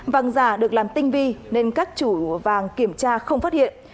vàng giả được làm tinh vi nên các chủ vàng kiểm tra không phát hiện